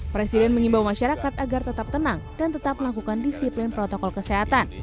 presiden mengimbau masyarakat agar tetap tenang dan tetap melakukan disiplin protokol kesehatan